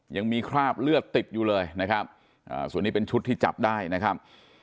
ยังมีคราบเลือดติดอยู่เลยนะครับส่วนนี้เป็นชุดที่จับได้นะครับ